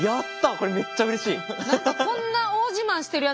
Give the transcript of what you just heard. これめっちゃうれしい！